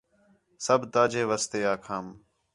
سب تاجے واسطے آکھام